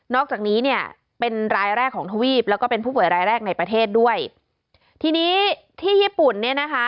อกจากนี้เนี่ยเป็นรายแรกของทวีปแล้วก็เป็นผู้ป่วยรายแรกในประเทศด้วยทีนี้ที่ญี่ปุ่นเนี่ยนะคะ